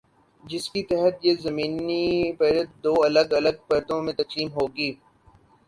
جس کی تحت یہ زمینی پرت دو الگ الگ پرتوں میں تقسیم ہوگی۔